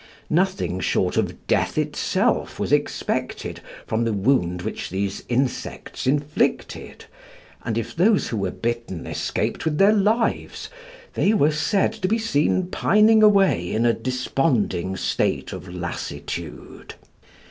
Nothing short of death itself was expected from the wound which these insects inflicted, and if those who were bitten escaped with their lives, they were said to be seen pining away in a desponding state of lassitude.